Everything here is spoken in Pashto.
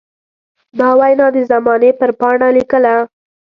دا وينا د زمانې پر پاڼه ليکله.